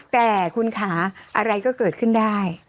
แต่คุณคะอะไรก็เกิดขึ้นได้